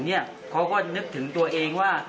เขาก็นึกถึงตัวเองว่า